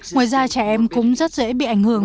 ngoài ra trẻ em cũng rất dễ bị ảnh hưởng